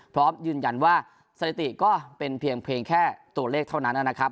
พร้อมยืนยันว่าสถิติก็เป็นเพียงแค่ตัวเลขเท่านั้นนะครับ